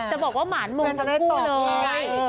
แต่บอกว่ามานมงทั้งคู่เลย